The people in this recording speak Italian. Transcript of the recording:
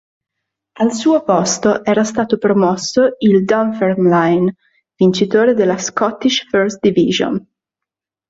Al suo posto era stato promosso il Dunfermline, vincitore della Scottish First Division.